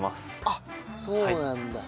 あっそうなんだ。